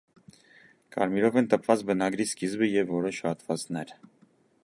Կարմիրով են տպված բնագրի սկիզբը և որոշ հատվածներ։